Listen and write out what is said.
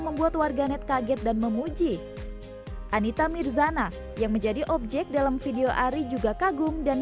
membuat warganet kaget dan memuji anita mirzana yang menjadi objek dalam video ari juga kagum dan